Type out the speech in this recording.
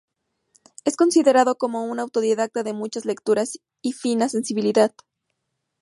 Es considerado como un autodidacta de muchas lecturas y fina sensibilidad.